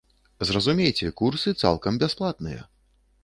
Зразумейце, курсы цалкам бясплатныя.